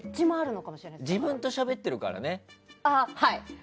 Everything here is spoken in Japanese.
自分としゃべってるからね。